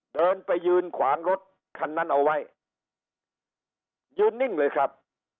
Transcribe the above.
เดินไปยืนขวางรถคันนั้นเอาไว้ยืนนิ่งเลยครับ